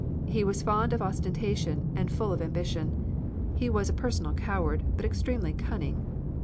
He was fond of ostentation, and full of ambition. He was a personal coward, but extremely cunning.